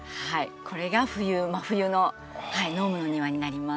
これが冬真冬のノームの庭になります。